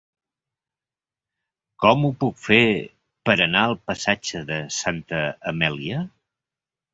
Com ho puc fer per anar al passatge de Santa Amèlia?